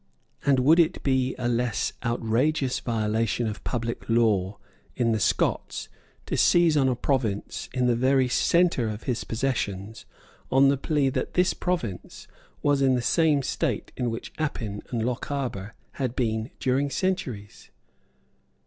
And would it be a less outrageous violation of public law in the Scots to seize on a province in the very centre of his possessions, on the plea that this province was in the same state in which Appin and Lochaber had been during centuries?